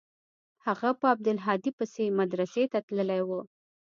هغه په عبدالهادي پسې مدرسې ته تللى و.